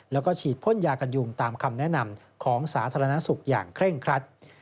แล้วก็ฉีดพ่นยากันยุงตามคำแนะนำของสาธารณสุขอย่างเคร่งครัด